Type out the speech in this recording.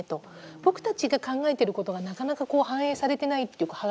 「僕たちが考えていることがなかなか反映されてないという歯がゆさ。